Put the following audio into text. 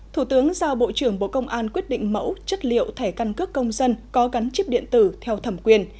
thủ tướng giao bộ trưởng bộ công an quyết định mẫu chất liệu thẻ căn cước công dân có gắn chip điện tử theo thẩm quyền